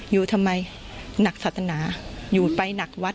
อยู่ทำไมหนักศาสนาอยู่ไปหนักวัด